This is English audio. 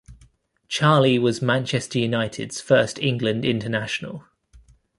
Charlie was Manchester United's first England international.